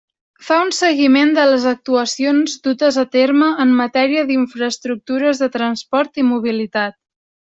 Fa un seguiment de les actuacions dutes a terme en matèria d'infraestructures de transport i mobilitat.